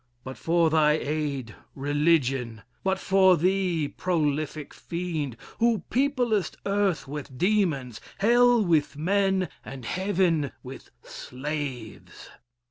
but for thy aid, Religion! but for thee, prolific fiend, Who peoplest earth with demons, hell with men, And heaven with slaves!